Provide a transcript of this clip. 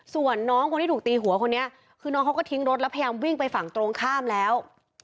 ส่วนน้องคนที่ถูกตีหัวคนนี้คือน้องเขาก็ทิ้งรถแล้วพยายามวิ่งไปฝั่งตรงข้ามแล้ว